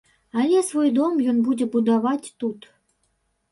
Але свой дом ён будзе будаваць тут.